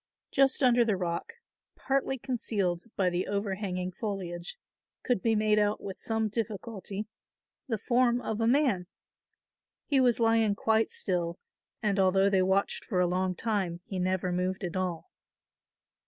Just under the rock, partly concealed by the over hanging foliage, could be made out with some difficulty the form of a man. He was lying quite still and although they watched for a long time he never moved at all.